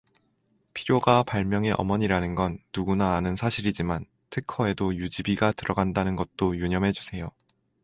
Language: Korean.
필요가 발명의 어머니라는 건 누구나 아는 사실이지만, 특허에도 유지비가 들어간다는 것도 유념해주세요.